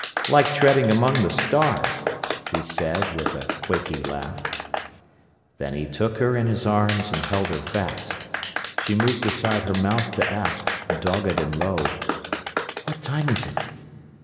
"Like treading among the stars," he said, with a quaky laugh. Then he took her in his arms, and held her fast. She moved aside her mouth to ask, dogged and low: "What time is it?"